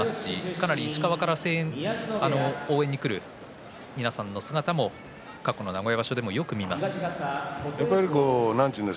かなり石川から応援に来る皆さんの姿を名古屋場所でもよく見かけます。